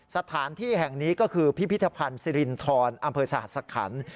สถานที่แห่งนี้ก็คือพิพิธภัณฑ์สิรินทรอำเภอสหสคัน